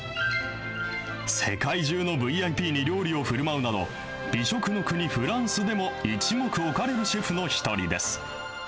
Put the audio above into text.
世界中のＶＩＰに料理をふるまうなど、美食の国、フランスでも一目置かれるシェフの一人です。